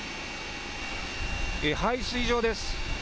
排水場です。